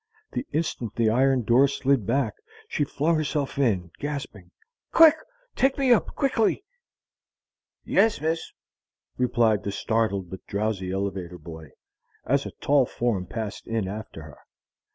The instant the iron door slid back, she flung herself in, gasping: "Quick! Take me up quickly!" "Yes, miss," replied the startled but drowsy elevator boy as a tall form passed in after her.